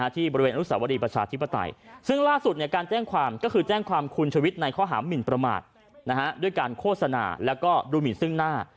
ที่บริเวณอนุสาวรีประชาธิปไตยซึ่งล่าสุดการแจ้งความก็คือแจ้งความคุณชวิตในข้อหามินประมาทด้วยการโฆษณาแล้วก็ดูหมินซึ่งหน้า